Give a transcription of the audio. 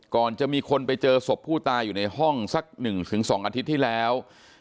ก่อนจะมีคนไปเจอศพผู้ตายอยู่ในห้องสัก๑๒อาทิตย์ที่แล้ว